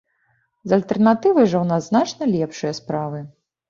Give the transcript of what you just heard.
З альтэрнатывай жа ў нас значна лепшыя справы.